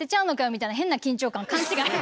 みたいな変な緊張感は勘違い？